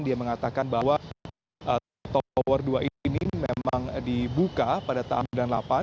dia mengatakan bahwa tower dua ini memang dibuka pada tahun sembilan puluh delapan